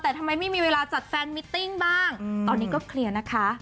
แต่ทำไมไม่มีเวลาจัดแฟนมิตติ้งบ้างตอนนี้ก็เคลียร์นะคะ